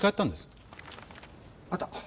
あった。